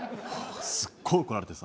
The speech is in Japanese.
すごい怒られてさ。